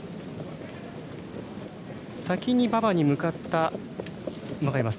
先に馬場に向かった馬がいます。